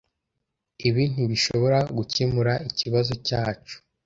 Ibi ntibishobora gukemura ikibazo cyacum.